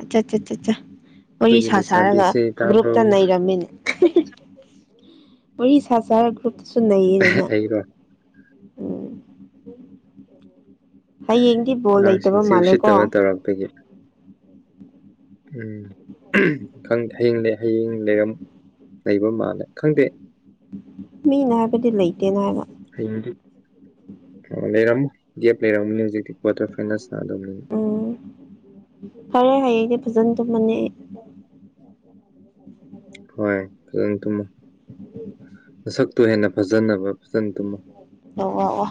ꯑꯆꯥ ꯑꯠꯆꯥ ꯑꯠꯆꯥ ꯋꯥꯔꯤ ꯑꯩꯈꯣꯏꯒꯤ ꯁꯥ ꯁꯥꯔꯒ ꯂꯩꯁꯥꯕꯤꯁꯦ ꯇꯥꯕ꯭ꯔꯣ ꯒ꯭ꯔꯨꯞꯇ ꯅꯩꯔꯝꯃꯦꯅꯦ ꯋꯥꯔꯤ ꯁꯥ ꯁꯥꯔ ꯒ꯭ꯔꯨꯞꯇꯁꯨ ꯅꯩꯌꯦꯗꯅ ꯑꯩꯔꯣ ꯍꯌꯦꯡꯗꯤ ꯕꯣꯜ ꯂꯩꯇꯕ ꯃꯥꯜꯂꯦꯀꯣ ꯇꯔꯄꯒꯤ [unintelligible] ꯎꯝ ꯈꯪꯗꯦ ꯍꯌꯦꯡ ꯂꯩ ꯍꯌꯦꯡ ꯂꯩꯔꯝ ꯂꯩꯕ ꯃꯥꯜꯂꯦ ꯈꯪꯗꯦ ꯃꯤꯅ ꯍꯥꯏꯕꯗꯤ ꯂꯩꯇꯦꯅ ꯍꯥꯏꯕ ꯍꯌꯦꯡꯗꯤ ꯂꯩꯔꯝꯃꯣꯢ ꯒꯦꯞ ꯂꯩꯔꯝꯅꯤ ꯍꯧꯖꯤꯛꯇꯤ ꯀ꯭ꯋꯥꯇꯔ ꯐꯥꯏꯅꯦꯜꯁ ꯁꯥꯅꯗꯧꯅꯤꯅ ꯎꯝ ꯐꯔꯦ ꯍꯌꯦꯡꯗꯤ ꯐꯖꯅ ꯇꯨꯝꯃꯅꯤ ꯑꯩ [unintelligible] ꯍꯣꯏ ꯐꯖꯅ ꯇꯨꯝꯃꯣ ꯃꯁꯛꯇꯣ ꯍꯦꯟꯅ ꯐꯖꯅꯕ ꯐꯖꯅ ꯇꯨꯝꯃꯨ ꯑꯣ ꯑꯣ ꯑꯣ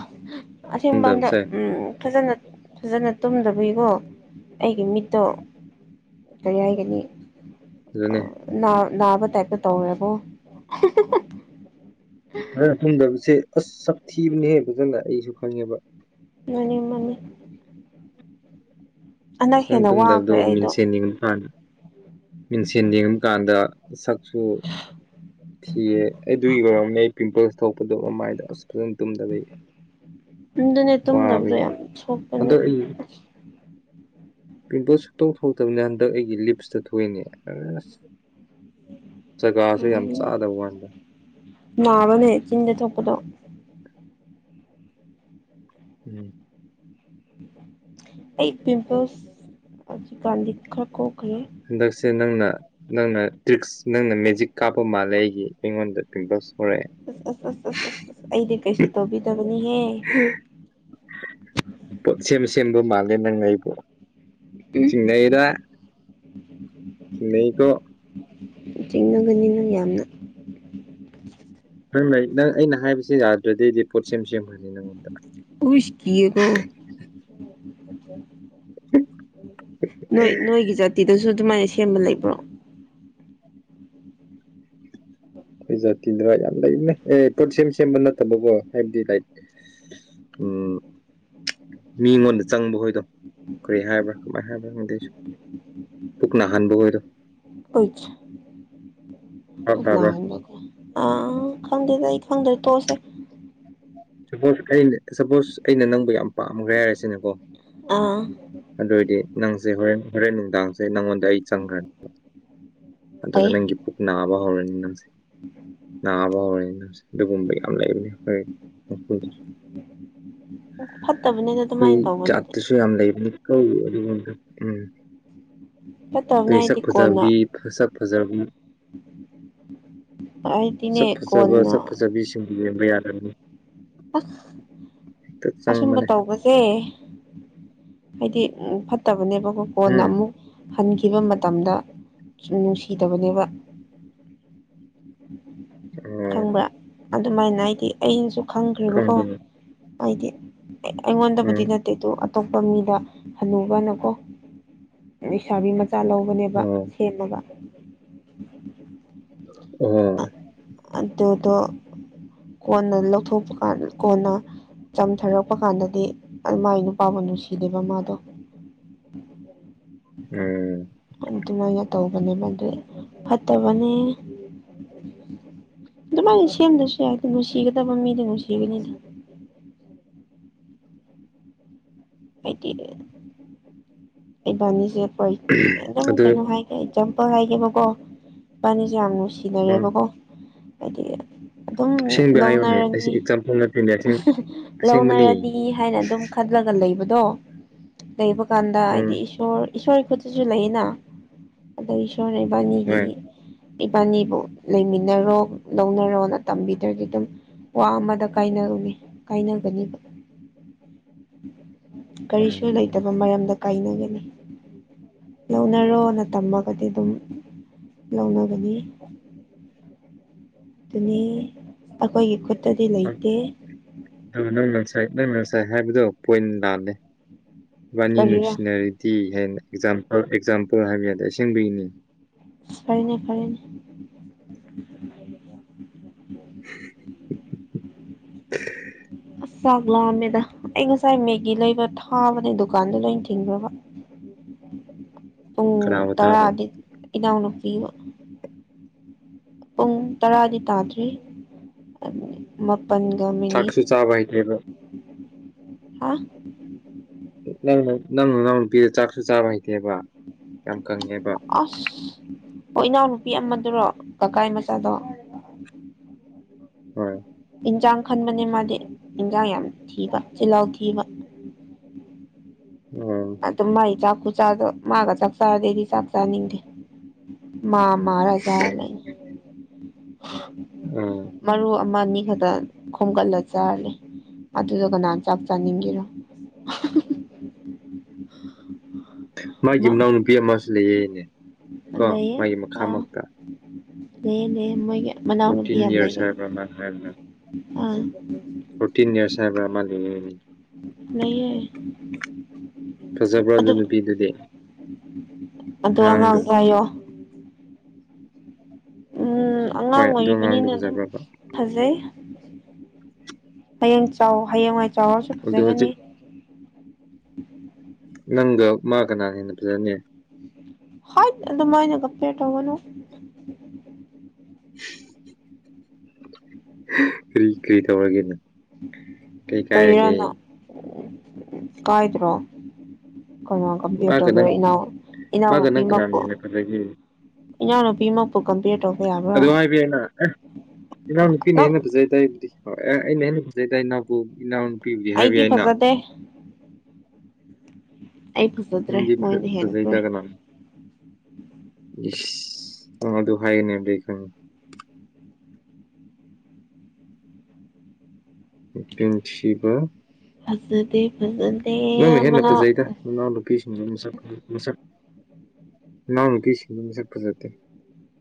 ꯑꯁꯦꯡꯕ ꯇꯨꯝꯗꯕꯁꯦ ꯎꯝ ꯐꯖꯅ ꯐꯖꯅ ꯇꯨꯝꯗꯕꯒꯤꯀꯣ ꯑꯩꯒꯤ ꯃꯤꯠꯇꯣ ꯀꯔꯤ ꯍꯥꯏꯒꯅꯤ ꯑꯗꯨꯅꯦ ꯅꯥ ꯅꯥꯕ ꯇꯥꯏꯛꯇ ꯇꯧꯔꯦꯕꯣ ꯈꯪꯗꯕꯁꯦ ꯑꯁ ꯁꯛꯊꯤꯕꯅꯦ ꯍꯦ ꯐꯖꯅ ꯑꯩꯁꯨ ꯈꯪꯉꯦꯕ ꯃꯥꯅꯦ ꯃꯥꯅꯦ ꯍꯟꯗꯛ ꯅꯪ ꯍꯦꯟꯅ ꯇꯨꯝꯗꯕꯗꯣ ꯋꯥꯈ꯭ꯔꯦ ꯑꯩꯗꯣ ꯃꯤꯟꯁꯦꯟ ꯌꯦꯡꯕꯀꯥꯟꯗ ꯃꯤꯟꯁꯦꯟ ꯌꯦꯡꯕ ꯀꯥꯟꯗ ꯁꯛꯁꯨ ꯁꯤꯌꯦ ꯑꯗꯨꯒꯤ ꯑꯣꯏꯔꯝꯅꯦ ꯄꯤꯝꯄꯜꯁ ꯊꯣꯛꯄꯗꯣ ꯃꯃꯥꯏꯗ ꯑꯁ ꯐꯖꯅ ꯇꯨꯝꯗꯕ ꯑꯗꯨꯅꯦ ꯇꯨꯝꯗꯕꯗꯣ ꯌꯥꯝ ꯁꯣꯛꯄꯅꯦ ꯍꯟꯗꯛ ꯑꯩ ꯄꯤꯝꯄꯜ ꯁꯨꯛꯇꯣꯛ ꯊꯣꯛꯇꯕꯅꯤ ꯍꯟꯗꯛ ꯑꯩꯒꯤ ꯂꯤꯞꯁꯇ ꯊꯣꯛꯏꯅꯦ ꯑꯥ ꯑꯁ ꯖꯒꯥꯁꯦ ꯌꯥꯝ ꯎꯝ ꯆꯥꯗꯕ ꯋꯥꯅꯤꯗ ꯅꯥꯕꯅꯦ ꯆꯤꯟꯗ ꯊꯣꯛꯄꯗꯣ ꯎꯝ ꯑꯩ ꯄꯤꯝꯄꯜꯁ ꯍꯧꯖꯤꯛꯀꯥꯟꯁꯦ ꯈꯔ ꯀꯣꯛꯈ꯭ꯔꯦ ꯍꯟꯗꯛꯁꯦ ꯅꯪꯅ ꯅꯪꯅ ꯇ꯭ꯔꯤꯛꯁ ꯅꯪꯅ ꯃꯦꯖꯤꯛ ꯀꯥꯞꯄ ꯃꯥꯜꯂꯦ ꯑꯩꯒꯤ ꯑꯩꯉꯣꯟꯗ ꯄꯤꯝꯄꯥꯜ ꯊꯣꯛꯂꯥꯛꯌꯦ ꯑ ꯑꯁ ꯑꯁ ꯑꯁ ꯑꯁ ꯑꯁ ꯑꯩꯗꯤ ꯀꯩꯁꯨ ꯇꯧꯕꯤꯗꯕꯅꯤꯍꯦ ꯄꯣꯠ ꯁꯦꯝ ꯁꯦꯝꯕ ꯃꯥꯜꯂꯦ ꯅꯪ ꯑꯩꯕꯨ ꯆꯤꯡꯅꯩꯗ ꯎꯝꯝ ꯊ [inaudible] ꯆꯤꯛꯅꯩꯀꯣ ꯆꯤꯡꯅꯒꯅꯤ ꯅꯪ ꯌꯥꯝꯅ ꯅꯪ ꯂꯩ ꯅꯪ ꯑꯩꯅ ꯍꯥꯏꯕꯁꯤ ꯌꯥꯗ꯭ꯔꯗꯤ ꯄꯣꯠ ꯁꯦꯝ ꯁꯦꯝꯈ꯭ꯔꯅꯤ ꯅꯪꯉꯣꯟꯗ ꯑꯨꯁ ꯀꯤꯒꯣ ꯅꯣꯏ ꯅꯣꯏꯒꯤ ꯖꯥꯇꯤꯗꯨꯁꯨ ꯑꯗꯨꯃꯥꯏꯅ ꯁꯦꯝꯕ ꯂꯩꯕ꯭ꯔꯣ ꯑꯩꯈꯣꯏ ꯖꯥꯠꯇꯤꯗꯔꯣ ꯌꯥꯝ ꯂꯩꯕꯅꯦ ꯑꯦ ꯄꯣꯠ ꯁꯦꯝ ꯁꯦꯝꯕ ꯅꯠꯇꯕꯀꯣ ꯍꯥꯏꯕꯗꯤ ꯂꯥꯏꯛ ꯎꯝ ꯃꯤꯉꯣꯟꯗ ꯆꯪꯕ ꯍꯣꯏꯗꯣ ꯀꯔꯤ ꯍꯥꯏꯕ꯭ꯔꯥ ꯀꯃꯥꯏꯅ ꯍꯥꯏꯕ꯭ꯔꯥ ꯈꯪꯗꯦ ꯑꯩꯁꯨ ꯄꯨꯨꯛ ꯅꯥꯍꯥꯟꯕ ꯈꯣꯢꯗꯣ ꯑꯣꯏ ꯚꯥꯞ ꯄꯨꯛ ꯇꯥꯕ꯭ꯔꯥ ꯅꯕꯗꯣ ꯑꯥ ꯈꯪꯗꯦꯇ ꯈꯪꯗꯦ ꯇꯣꯛꯑꯁꯦ ꯁꯄꯣꯁ ꯑꯩꯅ ꯁꯄꯣꯁ ꯑꯩꯅ ꯅꯪꯕꯨ ꯌꯥꯝ ꯄꯥꯝꯈ꯭ꯔꯦ ꯍꯥꯏꯔꯁꯤꯅꯦꯀꯣ ꯑꯥ ꯑꯗꯨ ꯑꯣꯏꯔꯗꯤ ꯅꯪꯁꯦ ꯍꯣꯔꯦꯟ ꯍꯣꯔꯦꯟ ꯅꯨꯡꯗꯥꯡꯁꯦ ꯅꯪꯉꯣꯟꯗ ꯑꯩ ꯆꯪꯈ꯭ꯔꯅꯤ ꯑꯗꯨꯒ ꯐꯩ ꯅꯪꯒꯤ ꯄꯨꯛ ꯅꯥꯕ ꯍꯧꯔꯅꯤ ꯅꯪꯁꯦ ꯅꯕ ꯍꯧꯔꯅꯤ ꯑꯗꯨꯒꯨꯝꯕꯩ ꯌꯥꯝ ꯂꯩꯕꯅꯦ ꯈꯣꯢ ꯐꯠꯇꯕꯅꯤꯗ ꯑꯩꯈꯣꯏ ꯑꯗꯨꯃꯥꯏꯅ ꯆꯥꯠ ꯇꯧꯕꯗꯨꯗꯤ ꯁꯨ ꯌꯥꯝ ꯂꯩꯕꯅꯤꯀꯣ ꯑꯗꯨꯀꯨꯝꯕ ꯐꯠꯇꯕꯅꯦ ꯑꯗꯩ ꯁꯛ ꯍꯥꯏꯗꯤ ꯀꯣꯟꯅ ꯐꯖꯕꯤ ꯐꯖ ꯐꯖꯕꯤ ꯍꯥꯏꯗꯤꯅꯦ ꯁꯛ ꯐꯖꯕ ꯀꯣꯟꯅ ꯁꯛ ꯐꯖꯕꯤꯁꯤꯡ ꯌꯦꯡꯕ ꯌꯥꯗꯕꯅꯤ ꯑꯁ ꯍꯦꯛꯇ ꯑꯁꯨꯝꯕ ꯆꯪꯕꯅꯦ ꯇꯧꯕꯁꯦ ꯍꯥꯏꯗꯤ ꯐꯠꯇꯕꯅꯦꯕꯀꯣ ꯀꯣꯟꯅ ꯎꯝ ꯑꯃꯨꯛ ꯍꯟꯈꯤꯕ ꯃꯇꯝꯗ ꯅꯨꯡꯁꯤꯗꯕꯅꯦꯕ ꯎꯝ ꯈꯪꯕ꯭ꯔꯥ ꯑꯗꯨꯃꯥꯏꯅ ꯍꯥꯏꯗꯤ ꯑꯩꯅꯁꯨ ꯈꯪꯈ꯭ꯔꯦꯕꯀꯣ ꯈꯪꯗꯦꯅꯦ ꯍꯥꯏꯗꯤ ꯎꯝ ꯑꯩꯉꯣꯟꯗꯕꯨꯗꯤꯅꯠ [unintelligible] ꯑꯇꯣꯞꯄ ꯃꯤꯗ ꯍꯅꯨꯕꯅꯀꯣ ꯂꯩꯩꯁꯥꯕꯤ ꯃꯆꯥ ꯂꯧ ꯑꯣ [unintelligible] ꯁꯦꯝꯃꯒ ꯑꯣ ꯑꯗꯨꯗꯣ ꯀꯣꯟꯅ ꯂꯧꯊꯣꯛꯄ ꯀꯥꯟ ꯀꯣꯟꯅ ꯆꯝꯊꯔꯛꯄ ꯀꯥꯟꯗꯗꯤ ꯃꯥꯏ ꯅꯨꯄꯥꯕꯨ ꯅꯨꯡꯁꯤꯗꯦꯕ ꯃꯥꯗꯣ [inaudible] ꯎꯝ ꯑꯗꯨꯃꯥꯏꯅ ꯇꯧꯕꯅꯦꯕ ꯑꯗꯨꯏ ꯐꯠꯇꯕꯅꯦ ꯑꯗꯨꯃꯥꯏꯅ ꯁꯦꯝꯗꯁꯨ ꯌꯥꯏ ꯀꯩꯅꯣ ꯅꯨꯡꯁꯤꯒꯗꯕ ꯃꯤꯗꯤ ꯅꯨꯡꯁꯤꯒꯅꯤꯗ ꯍꯥꯏꯗꯤ ꯂꯩꯕꯥꯅꯤ [inaudible] ꯁꯦ ꯑꯩꯈꯣꯏꯝ ꯑꯗꯨ ꯀꯩꯅꯣ ꯍꯥꯏ ꯑꯦꯖꯥꯝꯄꯜ ꯍꯥꯏꯒꯦꯕꯀꯣ ꯏꯄꯥꯅꯤꯁꯦ ꯌꯥꯝ ꯎꯝ ꯅꯨꯡꯁꯤꯅꯔꯦꯕꯀꯣ ꯍꯥꯏꯗꯤ ꯑꯗꯨꯝ ꯑꯁꯦꯡꯕ ꯍꯥꯏꯌꯨꯅꯦ ꯑꯩꯁꯦ ꯂꯧꯅꯔꯅꯤ ꯑꯦꯛꯖꯥꯝꯄꯜ ꯅꯠꯇꯦꯅꯦ ꯑꯁꯦꯡ ꯑꯁꯦꯡꯕꯅꯤ ꯂꯧꯅꯔꯅꯤ ꯍꯥꯏꯅ ꯑꯗꯨꯝ ꯈꯜꯂꯒ ꯂꯩꯕꯗꯣ ꯂꯩꯕ ꯀꯥꯟꯗ ꯍꯥꯏꯗꯤ ꯎꯝ ꯏꯁꯣꯔ ꯏꯁꯣꯔ ꯈꯨꯠꯇꯁꯨ ꯂꯩꯌꯦꯅ ꯑꯗꯒꯤ ꯏꯁꯣꯔꯅ ꯏꯕꯥꯅꯤꯒꯤ ꯍꯣꯏ ꯏꯕꯥꯟꯅꯤꯕꯨ ꯂꯩꯃꯤꯟꯅꯔꯣ ꯂꯧꯅꯔꯣꯅ ꯇꯝꯕꯤꯗ꯭ꯔꯗꯤ ꯑꯗꯨꯝ ꯋꯥ ꯑꯃꯗ ꯀꯥꯏꯅꯔꯨꯅꯤ ꯀꯥꯏꯅꯒꯅꯤꯕ ꯀꯔꯤꯁꯨ ꯎꯝ ꯂꯩꯇꯕ ꯃꯔꯝꯗ ꯀꯥꯏꯅꯒꯅꯤ ꯂꯧꯅꯔꯣꯅ ꯇꯝꯃꯒꯗꯤ ꯑꯗꯨꯝ ꯂꯧꯅꯒꯅꯤ ꯑꯗꯨꯅꯤ ꯑꯩꯈꯣꯏꯒꯤ ꯈꯨꯠꯇꯗꯤ ꯂꯩꯇꯦ ꯑꯗꯨꯒ ꯅꯪꯅ ꯉꯥꯁꯥꯏ ꯅꯪꯅ ꯉꯥꯁꯥꯏ ꯍꯥꯏꯕꯗꯣ ꯄꯣꯏꯟ ꯂꯥꯜꯂꯦ ꯏꯕꯥꯅꯤ ꯀꯔꯤꯔꯥ ꯅꯨꯡꯁꯤꯅꯔꯤ ꯇꯤ ꯍꯥꯏꯅ ꯑꯦꯛꯖꯥꯝꯄꯜ ꯑꯦꯛꯖꯥꯝꯄꯜ ꯍꯥꯏꯕ ꯌꯥꯗꯦ ꯑꯁꯦꯡꯕꯩꯅꯤ [unintelligible] [unintelligible] ꯑꯁ ꯆꯥꯛ ꯂꯥꯛꯑꯝꯃꯦꯗ ꯑꯩ ꯉꯁꯥꯏ ꯃꯦꯒꯤ ꯂꯩꯕ ꯊꯥꯕꯅꯦ ꯗꯨꯀꯥꯟꯗꯣ ꯂꯣꯏꯟ ꯊꯤꯡꯈ꯭ꯔꯕ ꯄꯨꯡ ꯀꯅꯥꯕꯨ ꯊꯥꯕ ꯇꯔꯥꯗꯤ ꯏꯅꯥꯎꯅꯨꯄꯤꯒ ꯄꯨꯡ ꯇꯔꯥꯗꯤ ꯇꯥꯗ꯭ꯔꯤ ꯃꯥꯄꯟꯒ ꯃꯤꯅꯤꯠ ꯆꯥꯛꯁꯨ ꯆꯥꯕ ꯍꯩꯇꯦꯕ ꯍꯥ ꯅꯪꯅ ꯅꯪ ꯅꯅꯥꯎꯅꯨꯄꯤꯗ ꯆꯥꯛꯁꯨ ꯆꯥꯕ ꯍꯩꯇꯦꯕ ꯌꯥꯝ ꯀꯪꯉꯦꯕ ꯑꯁ ꯑꯣ ꯏꯅꯥꯎꯅꯨꯄꯤ ꯑꯃꯗꯨꯔꯣ ꯀꯀꯥꯏ ꯃꯆꯥꯗꯣ ꯍꯣꯏ ꯏꯟꯖꯥꯡ ꯈꯟꯕꯅꯦ ꯃꯥꯗꯤ ꯏꯟꯖꯥꯡ ꯌꯥꯝ ꯊꯤꯕ ꯆꯤꯜꯍꯥꯎ ꯊꯤꯕ [unintelligible] ꯇꯨꯝ ꯃꯥꯥꯏ ꯆꯥꯛ ꯈꯨꯆꯥꯗꯣ ꯃꯥꯒ ꯆꯥꯛ ꯆꯥꯔꯗꯤ ꯑꯩꯗꯤ ꯆꯥꯛ ꯆꯥꯥꯅꯤꯡꯗꯦ ꯃꯥ [unintelligible] ꯂꯩ ꯎꯝ ꯃꯔꯨ ꯑꯥꯃꯅꯤ ꯈꯗ ꯈꯣꯝꯒꯠꯂ ꯆꯥꯔꯂꯩ ꯑꯗꯨꯗ ꯀꯅꯥꯅ ꯆꯥꯛ ꯆꯥꯅꯤꯡꯒꯦꯔꯣ [inaudible] ꯃꯥꯒꯤ ꯃꯥ ꯃꯅꯥꯎꯅꯨꯄꯤ ꯑꯃꯁꯨ ꯂꯩꯌꯦꯅꯦ ꯀꯣ ꯂꯩꯌꯦ ꯃꯥꯒꯤ ꯃꯈꯥ ꯑꯥ ꯃꯛꯇ ꯂꯩꯌꯦ ꯂꯩꯌꯦ ꯃꯣꯏꯒꯤ ꯃꯅꯥꯎꯅꯨꯄꯤ ꯐꯣꯔꯇꯤꯟ ꯌꯥꯝ ꯏꯌꯥꯔꯁ ꯂꯩꯕꯅꯤ ꯍꯥꯏꯕ꯭ꯔ ꯃꯥꯥꯟ [unintelligible] ꯑꯥ ꯐꯣꯔꯇꯤꯟ ꯏꯌꯥꯔꯁ ꯍꯥꯏꯕ ꯑꯃ [unintelligible] ꯂꯩꯌꯦ ꯐꯖꯕ꯭ꯔꯣ ꯑꯗꯨ ꯅꯨꯄꯤꯗꯨꯗꯤ ꯑꯗꯨ ꯑꯉꯥꯡ ꯑꯉꯥꯡꯗꯣ ꯀꯥꯏꯌꯣ ꯎꯝ ꯑꯉꯥꯡ ꯍꯣꯏ ꯑꯗꯨ ꯑꯉꯥꯡꯗꯣ ꯑꯣꯏꯔꯤꯕꯅꯤꯅ ꯑꯗꯨꯝ ꯐꯖꯕ꯭ꯔꯕ ꯐꯖꯩ ꯍꯌꯦꯡ ꯆꯥꯎ ꯍꯌꯦꯡꯋꯥꯏ ꯆꯥꯎꯔꯁꯨ ꯑꯗꯣ ꯍꯧꯖꯤꯛ ꯐꯖꯒꯅꯤ [inaudible] ꯅꯪꯒ ꯃꯥ ꯀꯅꯥ ꯍꯦꯟꯅ ꯐꯖꯅꯦ ꯍꯥꯏꯠ ꯑꯗꯨꯃꯥꯏꯅ ꯀꯝꯄꯦꯌꯔ ꯇꯧꯒꯅꯨ ꯀꯔꯤ ꯀꯔꯤ ꯇꯧꯔꯒꯦꯅꯦ ꯀꯩ ꯀꯥꯏꯔꯒꯦ ꯀꯔꯤꯔꯅ ꯀꯥꯏꯗ꯭ꯔꯣ ꯀꯅ ꯀꯝꯄꯌꯔ ꯃꯥꯒ ꯇꯧꯒꯦ ꯅꯪ ꯏꯅꯥꯎ ꯃꯥꯒ ꯏꯅꯥꯎꯄꯤ ꯅꯪ ꯀꯅꯥꯅ ꯃꯛꯄꯨ ꯍꯦꯟꯅ ꯐꯖꯒꯦ ꯢꯅꯥꯎ ꯅꯨꯄꯤꯃꯛꯄꯨ ꯀꯝꯄꯤꯌ꯭ꯔ ꯇꯧꯕ ꯌꯥ ꯑꯗꯨ ꯍꯥꯏꯕ ꯌꯥꯏꯅ ꯏꯅꯥꯎ ꯅꯨꯄꯤꯅ ꯅꯪ ꯍꯦꯟꯅ ꯐꯖꯩ ꯍꯥꯢꯕꯗꯤ ꯀꯣ ꯑꯦ ꯑꯩꯅ ꯍꯦꯟꯅ ꯐꯖꯩꯅ ꯏꯅꯥꯎꯅꯨꯄꯤꯕꯨꯗꯤ ꯍꯥꯏꯕ ꯑꯩꯗꯤ ꯌꯥꯏꯅ ꯐꯖꯗꯦ ꯑꯩꯗꯤ ꯅꯪꯗꯤ ꯐꯖꯩꯗ ꯀꯅ ꯏꯁ ꯅꯪ ꯑꯗꯨ ꯍꯥꯏꯌꯦꯅꯦꯕꯗꯤ ꯑꯩ ꯈꯪꯉꯤ [unintelligible] ꯐꯖꯗꯦ ꯐꯖꯗꯦ ꯅꯪꯅ ꯍꯦꯟꯅ ꯐꯖꯩꯗ [unintelligible] [unintelligible] ꯃꯁꯛ ꯃꯁꯛ ꯅꯅꯥꯎꯅꯨꯄꯤꯁꯤꯡ ꯃꯁꯛ ꯐꯖꯗꯦ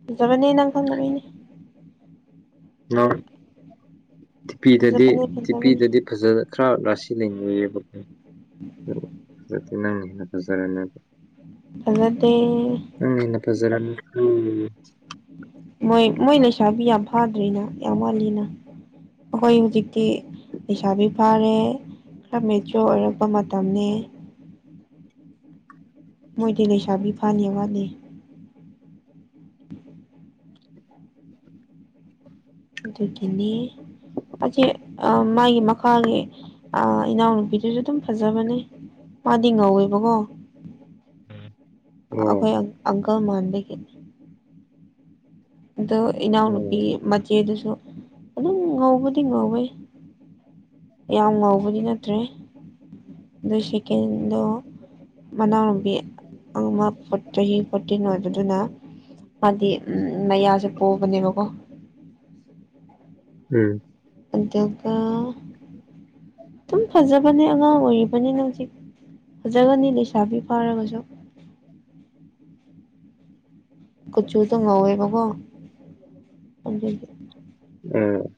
ꯐꯖꯕꯅꯦ ꯅꯪ ꯈꯪꯗꯕꯩꯅꯦ [unintelligible] ꯐꯖꯕꯅꯦ ꯐꯖꯕꯅꯦ ꯐꯖ ꯈꯔ ꫪꯥꯁꯤ ꯂꯩꯅꯤꯡꯌꯦꯕꯀꯣ ꯑꯗꯨꯗ ꯐꯖꯗꯦ ꯅꯪꯅ ꯍꯦꯅꯥ [unintelligible] ꯐꯖꯗꯦ ꯅꯪꯅ ꯍꯦꯟꯅ ꯐꯖꫪꯝꯅꯤꯀꯣ ꯃꯣꯏ ꯃꯣꯏ ꯂꯩꯁꯥꯕꯤ ꯌꯥꯝ ꯐꯥꯗ꯭ꯔꯤꯅ ꯌꯥꯝ ꯋꯥꯠꯂꯤꯅ ꯑꯩꯈꯣꯏ ꯍꯧꯖꯤꯛꯇꯤ ꯂꯩꯁꯥꯕꯤ ꯐꯥꯔꯦ ꯈꯔ ꯃꯦꯠꯆꯨꯋꯔ ꯑꯣꯏꯔꯛꯄ ꯃꯇꯝꯅꯤ ꯃꯣꯏꯗꯤ ꯂꯩꯁꯥꯕꯤ ꯐꯥꯅꯤ ꯋꯥꯠꯂꯤ ꯑꯗꯨꯒꯤꯅꯤ ꯑꯁꯤ ꯃꯥꯒꯤ ꯃꯈꯥꯒꯤ ꯏꯅꯥꯎ ꯅꯨꯄꯤꯗꯨꯁꯨ ꯑꯗꯨꯝ ꯐꯖꯕꯅꯦ ꯃꯥꯗꯤ ꯉꯧꯋꯦꯕꯀꯣ ꯑꯣ ꯑꯩꯈꯣꯏ ꯑꯪꯀꯜ ꯃꯥꯟꯕꯒꯤ ꯑꯗꯣ ꯏꯅꯥꯎ ꯅꯨꯄꯤ ꯑꯣ ꯃꯆꯦꯗꯨꯁꯨ ꯑꯗꯨꯝ ꯉꯧꯕꯗꯤ ꯉꯧꯋꯦ ꯌꯥꯝ ꯉꯧꯕꯗꯤ ꯅꯠꯇ꯭ꯔꯦ ꯑꯗꯨ ꯁꯦꯀꯦꯟꯗꯣ ꯃꯅꯥꯎꯅꯨꯕꯤ ꯑꯃ ꯆꯍꯤ ꯄꯣꯇꯤꯟ ꯑꯣꯏꯕꯗꯨꯅ ꯃꯥꯗꯤ ꯎꯝ ꯃꯌꯥꯁꯨ ꯄꯣꯕꯅꯤꯀꯣ ꯎꯝ ꯑꯗꯨꯒ ꯑꯗꯨꯝ ꯐꯖꯕꯅꯦ ꯑꯉꯥꯡ ꯑꯣꯏꯔꯤꯕꯅꯤꯅ ꯍꯧꯖꯤꯛ ꯐꯖꯒꯅꯤ ꯂꯩꯁꯥꯕꯤ ꯐꯥꯔꯒꯁꯨ ꯀꯨꯆꯨꯗꯣ ꯉꯥꯎꯋꯦꯕꯒꯣ ꯑꯗꯨꯒꯤ ꯎꯝ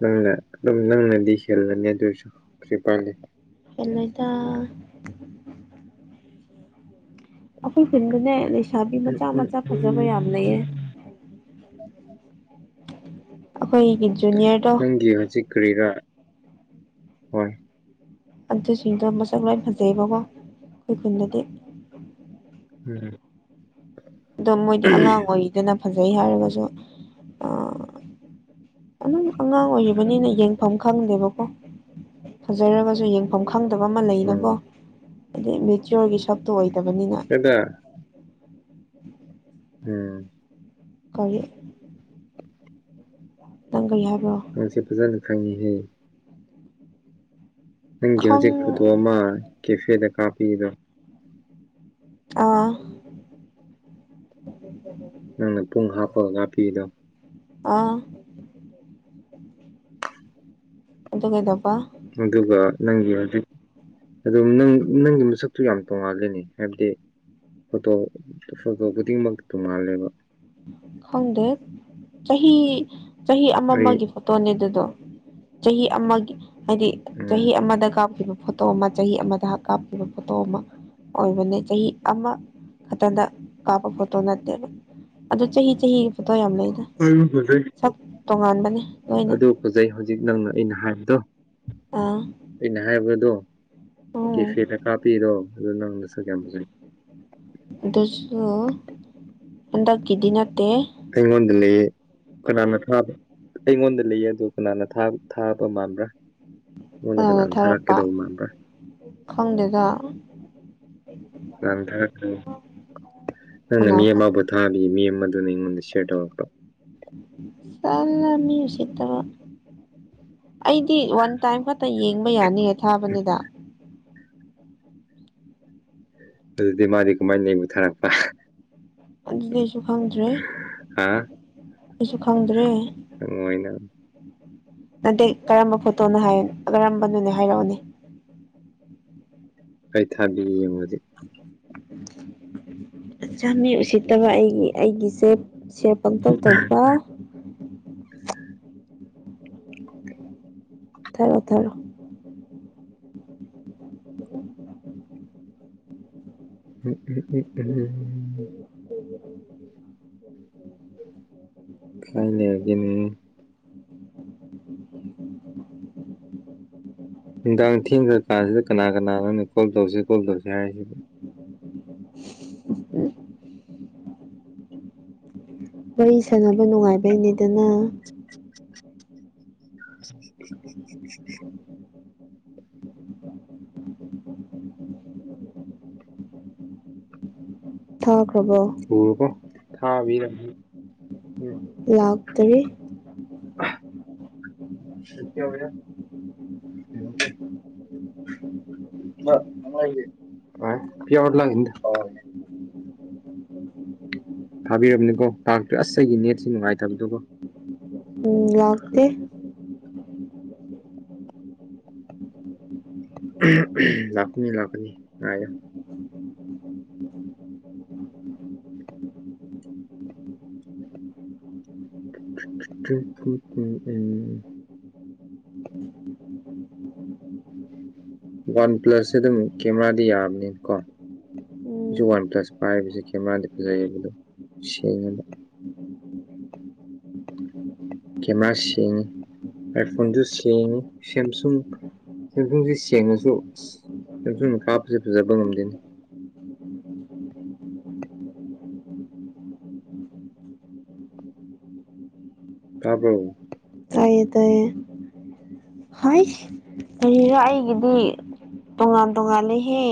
ꯅꯪꯅ ꯑꯗꯨꯝ ꯅꯪꯅꯗꯤ ꯍꯦꯜꯂꯅꯤ ꯑꯗꯨꯏꯁꯨ [inaudible] ꯄꯥꯜꯂꯤ ꯍꯦꯜꯂꯣꯢꯗ ꯑꯩꯈꯣꯏ ꯈꯨꯟꯗꯅꯦ ꯂꯩꯁꯥꯕꯤ ꯎꯝ ꯃꯆꯥ ꯎꯝ ꯃꯆꯥ ꯐꯖꯕ ꯌꯥꯝ ꯎꯝ ꯂꯩꯌꯦ ꯑꯩꯈꯣꯏꯒꯤ ꯖꯨꯅꯤꯌꯔꯗꯣ ꯅꯪꯒꯤ ꯍꯧꯖꯤꯛ ꯀꯔꯤꯔꯥ ꯍꯣꯏ ꯑꯗꯨꯁꯤꯡꯗꯣ ꯃꯁꯛ ꯂꯣꯏꯅ ꯐꯖꯩꯑꯦꯕꯀꯣ ꯑꯩꯈꯣꯏ ꯈꯨꯟꯗꯗꯤ ꯎꯝ ꯑꯗꯣ ꯃꯣꯏꯗꯤ ꯑꯉꯥꯡ ꯑꯣꯏꯔꯤꯗꯅ ꯐꯖꯩ ꯍꯥꯏꯔꯒꯁꯨ ꯑꯗꯨꯝ ꯑꯉꯥꯡ ꯑꯣꯏꯔꯤꯕꯅꯤꯅ ꯎꯝ ꯌꯦꯡꯐꯝ ꯈꯪꯗꯦꯕꯀꯣ ꯐꯖꯔꯒꯁꯨ ꯌꯦꯡ ꯌꯦꯡꯐꯝ ꯈꯪꯗꯕ ꯑꯃ ꯂꯩꯅꯀꯣ ꯎꯝ ꯑꯗꯩ ꯃꯦꯆꯌꯣꯔꯒꯤ ꯁꯛꯇꯣ ꯑꯣꯏꯗꯕꯅꯤꯅ ꯀꯗꯥꯏ ꯎꯝ ꯀꯔꯤ ꯈꯤꯇꯪ [inaudible] ꯀꯩ ꯍꯥꯏꯕ꯭ꯔꯣ ꯅꯪꯁꯤ ꯐꯖꯅ ꯈꯪꯉꯤꯍꯦ ꯅꯪꯒꯤ ꯈꯪ ꯍꯧꯖꯤꯛ ꯐꯣꯇꯣ ꯑꯃ ꯀꯦꯐꯦꯗ ꯀꯥꯞꯄꯤꯗꯣ ꯑꯥ ꯅꯪꯅ ꯄꯨꯡ ꯍꯥꯞꯄꯒ ꯀꯥꯞꯄꯤꯗꯣ ꯑꯥ ꯑꯗꯨ ꯀꯩꯗꯧꯕ ꯑꯗꯨꯒ ꯅꯪꯒꯤ ꯍꯧꯖꯤꯛ ꯑꯗꯨ ꯅꯪ ꯅꯪꯒꯤ ꯃꯁꯛꯇꯨ ꯌꯥꯝ ꯇꯣꯡꯉꯥꯜꯂꯤꯅꯦ ꯍꯥꯏꯕꯗꯤ ꯐꯣꯇꯣ ꯐꯣꯇꯣ ꯈꯨꯗꯤꯡꯃꯛ ꯇꯣꯡꯉꯥꯜꯂꯦꯕ ꯈꯪꯗꯦ ꯆꯍꯤ ꯆꯍꯤ ꯑꯃ ꯑꯩ ꯑꯃꯒꯤ ꯐꯣꯇꯣꯅꯦ ꯑꯗꯨꯗꯣ ꯆꯍꯤ ꯑꯃꯒꯤ ꯍꯥꯏꯗꯤ ꯎꯝ ꯆꯍꯤ ꯑꯃꯗ ꯀꯥꯞꯈꯤꯕ ꯐꯣꯇꯣ ꯑꯃ ꯆꯍꯤ ꯑꯃꯗ ꯀꯥꯞꯄꯤꯕ ꯐꯣꯇꯣ ꯑꯃ ꯑꯣꯏꯕꯅꯦ ꯆꯍꯤ ꯑꯃ ꯃꯊꯥꯟꯗ ꯀꯥꯞꯄ ꯐꯣꯠꯇꯣ ꯅꯠꯇꯦꯕ ꯑꯗꯨ ꯆꯍꯤ ꯆꯍꯤꯒꯤ ꯐꯣꯇꯣ ꯌꯥꯝ ꯂꯩꯗ ꯍꯥꯏꯕ ꯐꯖꯩ ꯁꯛ ꯇꯣꯉꯥꯟꯕꯅꯦ ꯂꯣꯏꯅ ꯑꯗꯨ ꯐꯖꯩ ꯍꯧꯖꯤꯛ ꯅꯪꯅ ꯑꯩꯅ ꯍꯥꯏꯕꯗꯣ ꯑ ꯑꯩꯅ ꯍꯥꯏꯕꯗꯣ ꯎꯝ ꯀꯦꯐꯦꯗ ꯀꯥꯞꯄꯤꯗꯣ ꯑꯗꯨ ꯅꯪꯅꯁꯨ ꯌꯥꯝ ꯐꯖꯩ ꯑꯗꯨꯁꯨ ꯍꯟꯗꯛꯀꯤꯗꯤ ꯅꯠꯇꯦ ꯑꯩꯉꯣꯡꯗ ꯂꯩꯌꯦ ꯀꯅꯥꯅ ꯊꯥꯕ ꯑꯩꯉꯣꯟꯗ ꯂꯩꯌꯦ ꯑꯗꯨ ꯀꯅꯥꯅ ꯊꯥꯕ ꯃꯥꯟꯕ꯭ꯔꯥ ꯑꯩꯉꯣꯟꯗ ꯀꯅꯅꯥ ꯀꯅꯥꯅ ꯊꯥꯔꯛꯄ ꯊꯥꯔꯛꯀꯗꯧꯕ ꯃꯥꯟꯕ꯭ꯔꯥ ꯈꯪꯗꯦꯗ ꯂꯥꯡꯊꯥꯛ ꯀꯅꯤ ꯅꯪꯅ ꯀꯅꯥ ꯃꯤ ꯈꯪ ꯑꯃꯕꯨ ꯊꯥꯈꯤꯕ ꯃꯤ ꯑꯃꯗꯨꯅ ꯑꯩꯉꯣꯟꯗ ꯁꯦꯌꯔ ꯇꯧꯔꯛꯄ ꯇꯥꯜꯂꯦ ꯃꯤ ꯎꯁꯤꯠꯇꯕ ꯑꯩꯗꯤ ꯋꯥꯟ ꯇꯥꯏꯝ ꯈꯛꯇ ꯌꯦꯡꯕ ꯌꯥꯅꯤꯌꯦ ꯊꯥꯕꯅꯤꯗ ꯑꯗꯨꯗꯤ ꯃꯥꯗꯤ ꯀꯃꯥꯏꯅ ꯑꯩꯕꯨ ꯊꯥꯔꯛꯄ ꯑꯗꯨꯗꯤ ꯑꯩꯁꯨ ꯈꯪꯗ꯭ꯔꯦ ꯍꯥ ꯑꯩꯁꯨ ꯈꯪꯗ꯭ꯔꯦ ꯈꯪꯉꯣꯢ ꯅꯪꯅ ꯅꯗꯦ ꯀꯔꯝꯕ ꯐꯣꯇꯣꯅꯣ ꯍꯥꯏ ꯀꯔꯝꯕꯅꯣꯅꯦ ꯍꯥꯏꯔꯛꯎꯅꯦ ꯑꯩꯩ ꯊꯥꯕꯤꯒꯦ ꯌꯦꯡꯉꯨ ꯍꯧꯖꯤꯛ ꯑꯁꯨꯛ ꯌꯥꯝ ꯃꯤ ꯎꯁꯤꯠꯇꯕ ꯑꯩꯒꯤ ꯑꯩꯒꯤꯁꯦ ꯁꯦꯞ ꯄꯪꯇꯪ ꯇꯧꯕ ꯕ ꯊꯥꯔꯛꯑꯣ ꯊꯥꯔꯛꯑꯣ [unintelligible] ꯀꯥꯏ ꯂꯩꯔꯒꯦꯅꯦ ꯅꯨꯡꯗꯥꯡ ꯊꯦꯡꯈ꯭ꯔ ꯀꯥꯟꯁꯤꯗ ꯀꯅꯥ ꯀꯅꯥꯅꯣꯅꯦ ꯀꯣꯜ ꯇꯧꯁꯤ ꯀꯣꯜ ꯇꯧꯁꯤ ꯍꯥꯏꯔꯤꯁꯤ ꯊꯥꯔꯛꯑꯣ ꯋꯥꯔꯤ ꯁꯥꯟꯅꯕ ꯅꯨꯡꯉꯥꯏꯕꯩꯅꯦꯗꯅ [unintelligible] [inaudible] ꯊꯈ꯭ꯔꯕꯣ ꯍ ꯀꯣ ꯊꯥꯔ ꯎꯝ [inaudible] ꯂꯥꯛꯇꯔꯤ ꯔ [inaudible] ꯄꯤꯗ ꯂꯒ [inaudible] ꯊꯥꯕꯤꯔꯕꯅꯤꯀꯣ ꯇꯥꯛꯇꯨ ꯑꯁ ꯑꯩꯒꯤ ꯅꯦꯠꯁꯤ ꯅꯨꯡꯉꯥꯏꯇꯕꯗꯨꯀꯣ ꯎꯝ ꯂꯥꯛꯇꯦ ꯂꯥꯛꯀꯅꯤ ꯂꯥꯛꯀꯅꯤ ꯉꯥꯢꯌꯣ ꯎꯝ [inaudible] ꯅꯤ [inaudible] ꯋꯥꯟ ꯄ꯭ꯂꯁꯁꯦ ꯑꯗꯨꯝ ꯀꯦꯃꯦꯔꯥꯗꯤ ꯌꯥꯕꯅꯤꯅ ꯀꯣ ꯎꯝ ꯋꯥꯟ ꯄ꯭ꯂꯁ ꯄꯥꯏꯕꯁꯤ ꯀꯦꯃꯦꯔꯥꯗꯤ ꯐꯖꯩ ꯌꯦꯕꯗꯣ ꯁꯦꯡꯉꯦꯕ ꯀꯦꯃꯦꯔꯥ ꯁꯦꯡꯉꯤ ꯑꯥꯏꯐꯣꯟꯁꯨ ꯁꯦꯡꯉꯤ ꯁꯦꯝꯁꯨꯡ ꯆꯦꯟꯁꯨꯡꯁꯤ ꯁꯦꯡꯉꯁꯨ ꯆꯦꯟꯁꯨꯡꯅ ꯀꯥꯞꯄꯁꯦ ꯐꯖꯕ ꯉꯝꯗꯦꯅꯤ ꯇꯥꯕ꯭ꯔꯣ ꯇꯥꯢꯌꯦ ꯇꯥꯢꯌꯦ ꯍꯥꯏꯁ ꯀꯔꯤꯔ ꯑꯩꯒꯤꯗꯤ ꯇꯣꯉꯥꯟ ꯇꯣꯉꯥꯟꯂꯦꯍꯦ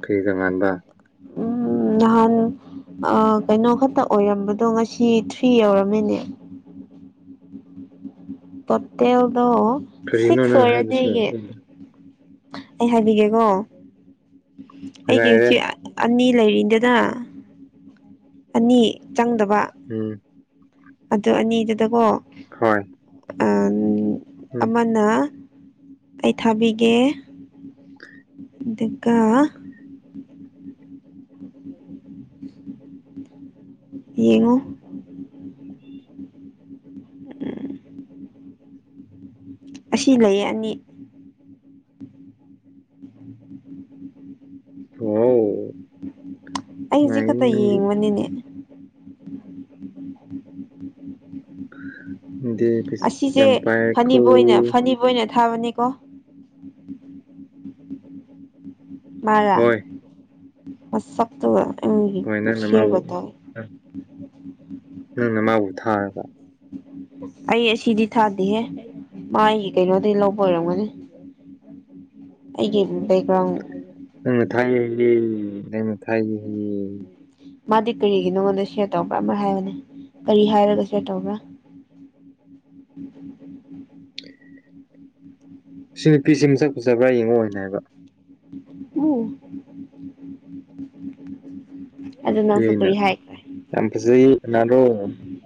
ꯐꯔꯤꯗ ꯉꯥꯟꯕ ꯎꯝ ꯅꯍꯥꯟ ꯑ ꯀꯩꯅꯣ ꯈꯛꯇ ꯑꯣꯏꯔꯝꯕꯗꯣ ꯉꯁꯤ ꯊ꯭ꯔꯤ ꯌꯧꯔꯝꯃꯤꯅꯦ ꯇꯣꯇꯦꯜꯗꯣ ꯀꯔꯤꯅꯣ ꯁꯤꯛꯁ ꯅꯪ ꯑꯣꯏꯔꯅꯦ ꯍꯥꯏꯕꯁꯦ ꯑꯩꯒꯤ ꯑꯩ ꯍꯥꯏꯕꯤꯒꯦꯀꯣ ꯑꯩꯒꯤ ꯅꯨꯡꯉꯥꯏꯔꯦ ꯏꯆꯦ__ ꯑꯅꯤ ꯂꯩꯔꯤꯗꯅ ꯑꯅꯤ ꯆꯪꯗꯕ ꯎꯝ ꯑꯗꯨ ꯑꯅꯤꯗꯨꯗꯀꯣ ꯍꯣꯏ ꯎꯝ ꯑꯃꯅ ꯑꯩ ꯊꯥꯕꯤꯒꯦ ꯑꯗꯨꯒ [inaudible] ꯌꯦꯡꯉꯨ꯫ ꯑꯁꯤ ꯂꯩꯌꯦ ꯑꯅꯤ꯫ ꯋꯥꯎ꯫ ꯑꯩꯖꯤ ꯈꯠꯇ ꯅꯨꯡꯉꯥꯏꯅꯤ ꯅꯪꯗꯤ ꯌꯦꯡꯕꯅꯤꯅꯦ꯫ ꯅꯪꯗꯤ ꯄꯩꯁ ꯑꯁꯤꯁꯦ ꯌꯥꯝ ꯄꯥꯏꯔꯦꯀꯣ ꯐꯅꯤꯕꯣꯏꯅ ꯐꯅꯤꯕꯣꯏꯅ ꯊꯥꯕꯅꯤꯀꯣ꯫ ꯃꯔꯥ ꯍꯣꯏ ꯃꯁꯛꯇꯨꯒ ꯑꯩꯒꯤ ꯍꯣꯏ ꯅꯪꯅ ꯁ꯭ꯌꯦꯔ ꯃꯥꯕꯨ ꯒ ꯇꯧꯌꯦ ꯅꯪꯅ ꯃꯥꯕꯨ ꯊꯥꯔꯒ꯫ ꯑꯩ ꯑꯁꯤꯗꯤ ꯊꯥꯗꯦꯍꯦ ꯃꯥ ꯑꯩꯒꯤ ꯀꯩꯅꯣꯗꯩ ꯂꯧꯕ ꯑꯣꯏꯔꯝꯒꯅꯤ꯫ ꯑꯩꯒꯤ ꯕꯦꯛꯒ꯭ꯔꯥꯎꯟ [unintelligible] ꯃꯥꯗꯤ ꯀꯔꯤꯒꯤ ꯅꯉꯣꯟꯗ ꯁꯤꯌꯔ ꯇꯧꯕ꯭ꯔꯥ ꯑꯃ ꯍꯥꯏꯕꯅꯦ ꯀꯔꯤ ꯍꯥꯏꯔꯒ ꯁꯤꯌꯔ ꯇꯧꯕ꯭ꯔꯥ ꯁꯤ ꯅꯨꯄꯤꯁꯤ ꯃꯁꯛ ꯐꯖꯥꯕ꯭ꯔꯥ ꯌꯦꯡꯉꯣꯅ ꯍꯥꯏꯕ [inaudible] ꯗꯨꯏ ꯅꯪꯁꯨ ꯑꯩꯅ ꯀꯔꯤ ꯍꯥꯏꯈ꯭ꯔꯦ ꯌꯥꯝ ꯐꯖꯩ [unintelligible]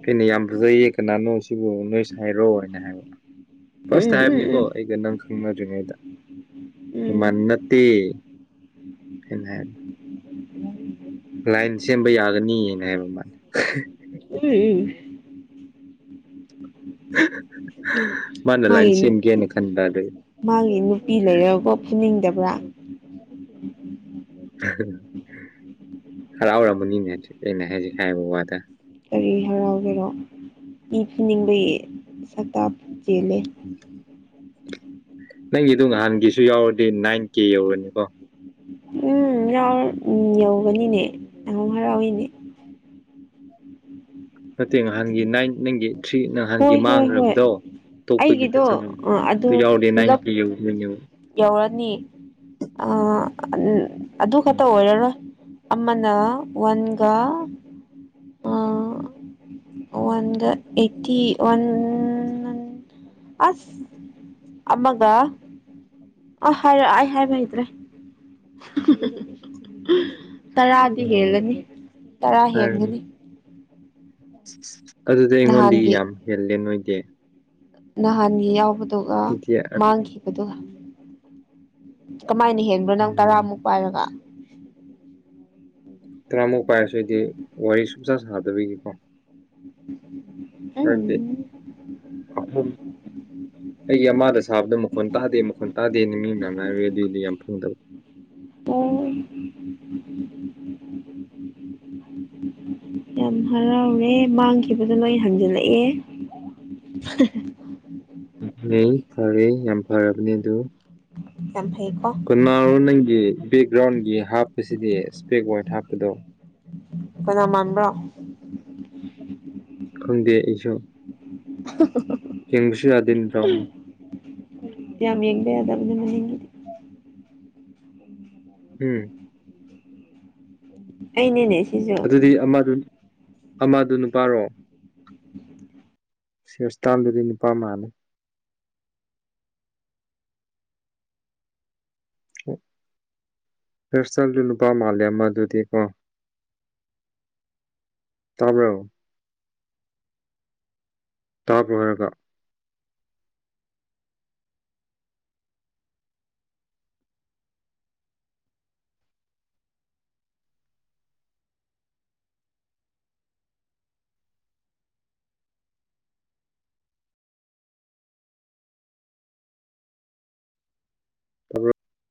ꯑꯩꯅ ꯌꯥꯝ ꯐꯖꯩꯌꯦ ꯀꯅꯥꯅꯣ ꯁꯤꯕꯨ ꯅꯣꯏꯁ ꯁꯥꯏꯔꯣ ꯍꯥꯏꯅ ꯍꯥꯏꯕ ꯐꯥꯔꯁꯇ ꯎꯝ ꯎꯝ ꯎꯝ ꯍꯥꯏꯕꯅꯤꯀꯣ ꯑꯩꯒ ꯅꯪ ꯈꯪꯅꯗ꯭ꯔꯤꯉꯩꯗ ꯎꯝ ꯑꯗꯨꯃꯥꯟ ꯅꯠꯇꯦ ꯍꯥꯏꯅ ꯍꯥꯏꯕ ꯂꯥꯏꯟ ꯁꯦꯝꯕ ꯌꯥꯒꯅꯤ ꯍꯥꯏꯕ ꯃꯥꯂ [unintelligible] ꯃꯥꯅ ꯂꯥꯏꯟ ꯃꯥꯒꯤ ꯁꯦꯝꯒꯦꯅ ꯈꯟꯕ ꯑꯗꯨꯒꯤ ꯃꯥꯒꯤ ꯅꯨꯄꯤ ꯂꯩꯔꯒꯥꯀꯣ ꯐꯨꯅꯤꯡꯗꯕ꯭ꯔꯥ꯫ ꯍꯥ ꯍꯔꯥꯎꯔꯝꯃꯅꯤꯅꯦ ꯍꯧꯖꯤꯛꯇꯤ ꯑꯩꯅ ꯍꯥꯏꯖꯤ ꯍꯥꯏꯕ ꯋꯥꯗ ꯀꯔꯤ ꯍꯔꯥꯎꯒꯦꯔꯣ ꯏ ꯐꯨꯅꯤꯡꯕꯒꯤ ꯁꯛꯇ ꯆꯦꯜꯂꯦ꯫ [inaudible] ꯅꯪꯒꯤꯗꯣ ꯅꯍꯥꯟꯒꯤꯁꯨ ꯌꯥꯎꯔꯗꯤ ꯅꯥꯏꯟ ꯀꯦ ꯌꯧꯔꯅꯤꯀꯣ꯫ ꯎꯝ ꯌꯥꯎ ꯌꯧꯒꯅꯤꯅꯦ ꯌꯥꯝ ꯍꯔꯥꯎꯏꯅꯦ ꯅꯠꯇꯦ ꯅꯍꯥꯟꯒꯤ ꯅꯥꯏꯟ ꯅꯤꯡꯒꯤ ꯊ꯭ꯔꯤ ꯅꯍꯥꯟꯒꯤ ꯍꯣꯏ ꯍꯣꯏ ꯍꯣꯏ ꯃꯥꯡꯒ꯭ꯔꯕꯗꯣ꯫ ꯇꯣꯛꯄꯒꯤꯗ ꯑꯩꯒꯤꯗꯣ ꯆꯪꯉꯝ ꯑ ꯗꯨ ꯑꯗꯨ ꯌꯥꯎꯔꯗꯤ ꯄꯨꯂꯞ ꯅꯥꯏꯟꯇ ꯀꯦ ꯌꯧꯗꯣꯏꯅꯦ ꯌꯦꯡꯉꯣ ꯌꯧꯔꯅꯤ ꯑꯥ ꯑꯟ ꯑꯗꯨ ꯈꯛꯇ ꯑꯣꯏꯔꯔꯣꯏ꯫ ꯑꯃꯅꯥ ꯋꯥꯟꯒꯥ꯫ ꯑ ꯋꯥꯟꯒ ꯑꯥꯢꯠ꯫ ꯇꯤ ꯋꯥꯟ ꯑꯁ ꯑꯃꯒ ꯑꯥ ꯍꯥꯏꯔꯛ ꯑꯩ ꯍꯥꯏꯕ ꯍꯩꯇ꯭ꯔꯦ [unintelligible] ꯇꯔꯥꯗꯤ ꯑꯣ ꯍꯦꯜꯂꯅꯤ ꯇꯔꯥ ꯍꯥꯏꯔꯅꯤ ꯍꯦꯟꯒꯅꯤ꯫ ꯑꯗꯨꯗꯤ ꯑꯩꯉꯣꯟꯗꯒꯤ ꯅꯍꯥꯟꯒꯤ ꯌꯥꯝ ꯍꯦꯜꯂꯦ ꯅꯣꯏꯗꯤ꯫ ꯅꯍꯥꯟꯒꯤ ꯌꯥꯎꯕꯗꯨꯒ ꯑꯩꯗꯤ ꯃꯥꯡꯈꯤ꯫ ꯑꯗꯨꯒ ꯀꯃꯥꯏꯅ ꯍꯦꯟꯕ꯭ꯔꯣ ꯅꯪ ꯎꯝ ꯇꯔꯥꯃꯨꯛ ꯄꯥꯏꯔꯒ꯫ ꯇꯔꯥꯃꯨꯛ ꯄꯥꯏꯔꯁꯨ ꯑꯩꯗꯤ ꯋꯥꯔꯤ ꯁꯨꯡꯁ ꯁꯥꯅꯗꯕꯒꯤꯀꯣ꯫ ꯎꯝ [unintelligible] ꯑꯩꯒꯤ ꯑꯃꯥꯗ ꯁꯥꯕꯗ ꯃꯈꯣꯟ ꯇꯥꯗꯦ ꯃꯈꯣꯟ ꯇꯥꯗꯦꯅ ꯃꯤ ꯃꯌꯥꯝꯅ [unintelligible] [unintelligible] ꯌꯥꯝ ꯍꯔꯥꯎꯔꯦ ꯃꯥꯡꯈꯤꯕꯗ ꯂꯣꯏ ꯍꯟꯖꯤꯜꯂꯛꯑꯦ [unintelligible] ꯐꯔꯦ ꯌꯥꯝ ꯐꯔꯕꯅꯦ ꯑꯗꯨ꯫ ꯌꯥꯝ ꯐꯩꯀꯣ꯫ ꯀꯅꯥꯔꯣ ꯅꯪꯒꯤ ꯕꯦꯛꯒ꯭ꯔꯥꯎꯟꯒꯤ ꯍꯥꯞꯄꯁꯤꯗꯤ ꯏꯁꯄꯦꯛ ꯋꯥꯏꯠ ꯍꯥꯞꯄꯗꯣ꯫ ꯀꯅꯥ ꯃꯥꯟ꯭ꯕꯔꯣ꯫ [inaudible] ꯈꯪꯗꯦ ꯑꯩꯁꯨ꯫ [unintelligible] [unintelligible] ꯌꯥꯝ ꯌꯦꯡꯕ ꯌꯥꯗꯕꯅꯦ ꯃꯅꯤꯡꯒꯤ ꯎꯝ ꯑꯩꯅꯅꯦ ꯁꯤꯖꯨ ꯑꯗꯨꯗꯤ ꯑꯃꯗꯨ ꯑꯃꯗꯨ ꯅꯨꯄꯥꯔꯣ ꯍꯤꯌꯔꯁ꯭ꯇꯥꯏꯜ ꯗꯨꯗꯤ ꯅꯨꯄꯥ ꯃꯥꯜꯂꯦ ꯍꯤꯌꯔꯁ꯭ꯇꯥꯏꯜꯗꯨ ꯅꯨꯄꯥ ꯃꯥꯜꯂꯦ ꯑꯃꯗꯨꯗꯤꯀꯣ ꯇꯥꯕ꯭ꯔꯣ ꯇꯥꯕ꯭ꯔꯣ ꯍꯥꯏꯔꯒ [inaudible]